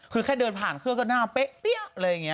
แค่เดินผ่านเครื่องก็หน้าเป๊๊ะเป๊ี๊๊ย๊ะอะไรอย่างนี้